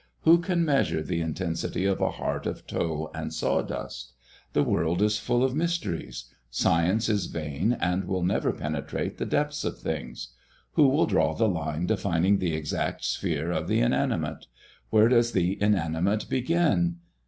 Who can measure the intensity of a heart of tow and sawdust? The world is full of mysteries. Science is vain and will never penetrate the depths of things. Who will draw the line defining the exact sphere of the inanimate? Where does the inanimate begin?